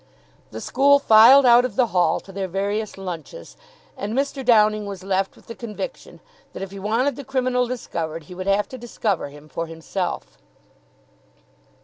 The school filed out of the Hall to their various lunches, and Mr. Downing was left with the conviction that, if he wanted the criminal discovered, he would have to discover him for himself.